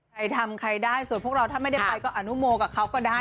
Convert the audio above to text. ใครทำใครได้ส่วนพวกเราถ้าไม่ได้ไปก็อนุโมกับเขาก็ได้